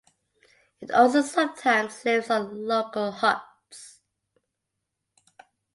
It also sometimes lives on local huts.